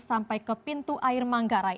sampai ke pintu air manggarai